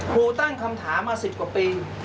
ครูตั้งคำถามมา๑๐กว่าปี